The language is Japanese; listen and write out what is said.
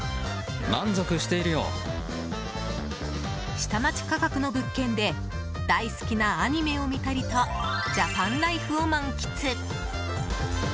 下町価格の物件で大好きなアニメを見たりとジャパンライフを満喫。